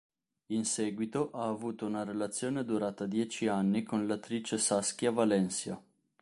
In seguito, ha avuto una relazione durata dieci anni con l'attrice Saskia Valencia.